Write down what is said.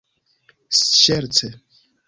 ŝerce